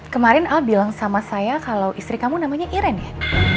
kemarin al bilang sama saya kalau istri kamu namanya iren ya